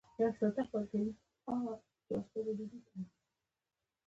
ډېرې یې د منلو وړ نه دي.